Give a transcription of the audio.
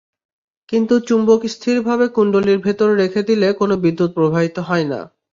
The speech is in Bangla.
কিন্তু চুম্বক স্থিরভাবে কুণ্ডলীর ভেতর রেখে দিলে কোনো বিদ্যুৎ প্রবাহিত হয় না।